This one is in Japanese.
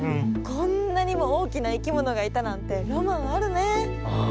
こんなにもおおきないきものがいたなんてロマンあるね。